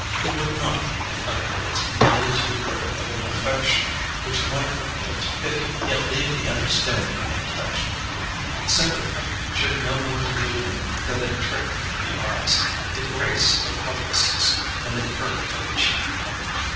He would not, in other words, yield to the growth of an affection which might appeal to pity yet leave the understanding untouched: sympathy should no more delude him than a trick of the eyes, the grace of helplessness than a curve of the cheek.